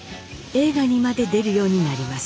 映画にまで出るようになります。